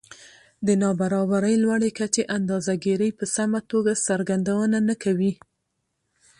د نابرابرۍ لوړې کچې اندازه ګيرۍ په سمه توګه څرګندونه نه کوي